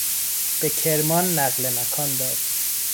به کرمان نقل مکان داد.